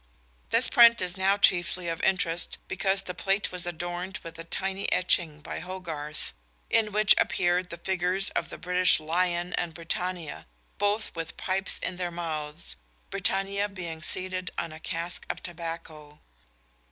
_ This print is now chiefly of interest because the plate was adorned with a tiny etching by Hogarth, in which appear the figures of the British Lion and Britannia, both with pipes in their mouths, Britannia being seated on a cask of tobacco.